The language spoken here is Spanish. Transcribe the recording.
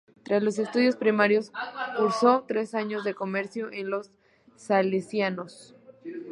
Tras los estudios primarios, cursó tres años de Comercio en los Salesianos.